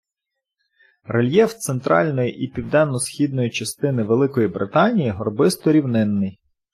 Рельєф центральної, і південно-східної частин Великої Британії горбисто-рівнинний.